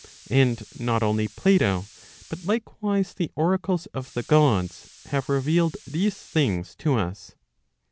And not only Plato, but likewise the oracles of the Gods have revealed these things to us.